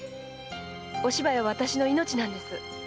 お芝居は私の命なんです。